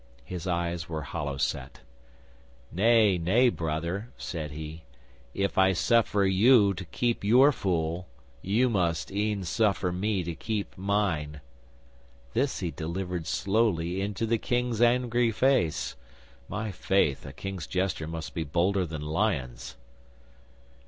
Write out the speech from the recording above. His eyes were hollow set. '"Nay, nay, Brother," said he. "If I suffer you to keep your fool, you must e'en suffer me to keep mine." 'This he delivered slowly into the King's angry face! My faith, a King's jester must be bolder than lions!